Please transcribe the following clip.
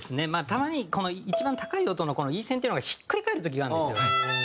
たまに一番高い音のこのＥ線っていうのがひっくり返る時があるんですよね。